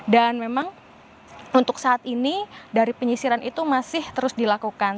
dan memang untuk saat ini dari penyisiran itu masih terus dilakukan